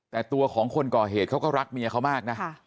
แต่ตัวของคนก่อเหตุเขาก็รักเมียเขามากนะ